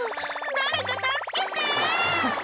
「誰か助けて！」